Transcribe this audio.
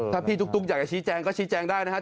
ถ้าพี่ตุ๊กอยากจะชี้แจงก็ชี้แจงได้นะครับ